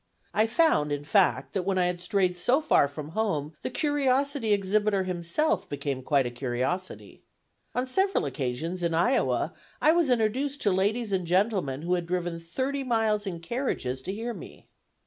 I found, in fact, that when I had strayed so far from home, the curiosity exhibitor himself became quite a curiosity. On several occasions, in Iowa, I was introduced to ladies and gentlemen who had driven thirty miles in carriages to hear me.